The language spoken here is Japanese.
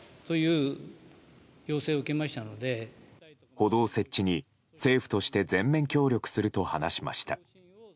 歩道設置に政府として全面協力すると話しました。